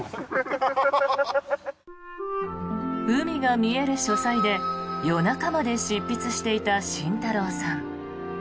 海が見える書斎で夜中まで執筆していた慎太郎さん。